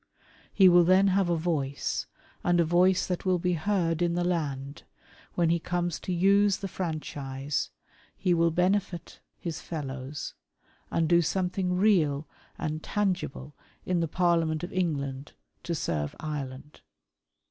He will then have a voice and a voice that will be heard in the land, and when he comes to use the franchise he will benefit his THE SAD ENDING OF CONSPIRATORS. 147 fellows, and do something real and tangible in the Parliament of England, to serve Ireland.